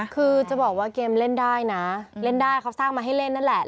คือจะบอกว่าเกมเล่นได้นะเล่นได้เขาสร้างมาให้เล่นนั่นแหละ